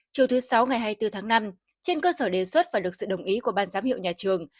chiều thứ sáu ngày hai mươi bốn tháng năm trên cơ sở đề xuất và được sự đồng ý của ban giám hiệu nhà trường